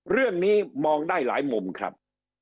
เรื่องนี้มองได้หลายมุมครับ